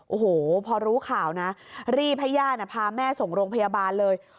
โอ้โหพอรู้ข่าวนะรีบให้ญาติพาแม่ส่งโรงพยาบาลเลย